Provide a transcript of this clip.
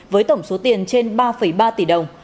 với tổng số tiền trên ba ba tỷ đồng